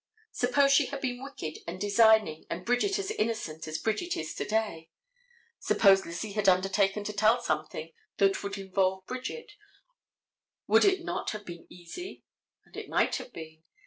Suppose she had been wicked and designing and Bridget as innocent as Bridget is to day. Suppose Lizzie had undertaken to tell something that would involve Bridget, would it not have been easy? And it might have been.